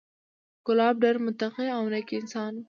کلاب ډېر متقي او نېک انسان و،